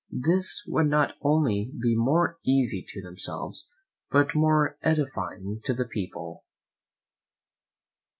This would not only be more easy to themselves, but more edifying to the people.